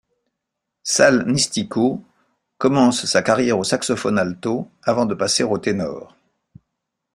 Sal Nistico commence sa carrière au saxophone alto avant de passer au ténor.